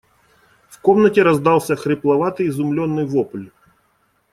В комнате раздался хрипловатый изумленный вопль.